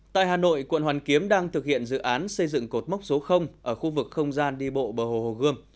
tại hà nội quận hoàn kiếm đang thực hiện dự án xây dựng cột mốc số ở khu vực không gian đi bộ bờ hồ hồ gươm